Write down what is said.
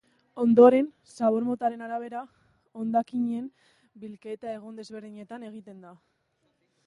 Ondoren, zabor motaren arabera, hondakinen bilketa egun desberdinetan egiten da.